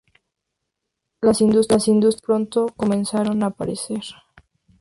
Las industrias pronto comenzaron a aparecer.